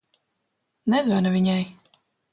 Nezvani viņai.